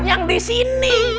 yang di sini